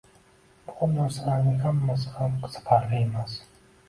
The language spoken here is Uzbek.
Muhim narsalarning hammasi ham qiziqarli emas.